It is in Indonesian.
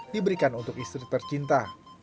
diberikan untuk istri tercinta